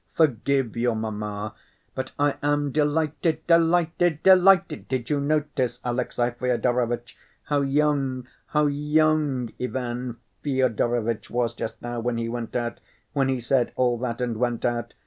Forgive your mamma; but I am delighted, delighted, delighted! Did you notice, Alexey Fyodorovitch, how young, how young Ivan Fyodorovitch was just now when he went out, when he said all that and went out?